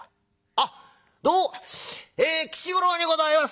あっどうもえ吉五郎にございます」。